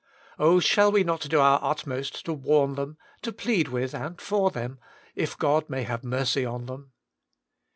Oh, shall we not do our utmost to warn them, to plead with and for them, if God may have mercy on them.